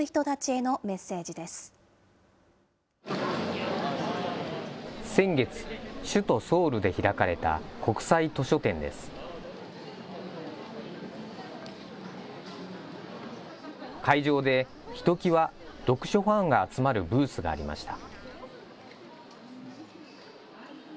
会場でひときわ読書ファンが集まるブースがありました。